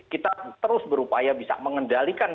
kita terus berupaya bisa mengendalikan